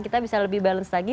kita bisa lebih balance lagi